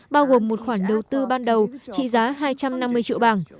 bao gồm một khoản đầu tư ban đầu trị giá hai trăm năm mươi triệu bảng